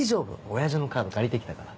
親父のカード借りてきたから。